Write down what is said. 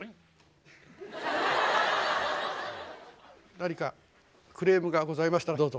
何かクレームがございましたらどうぞ。